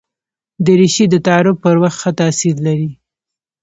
دریشي د تعارف پر وخت ښه تاثیر لري.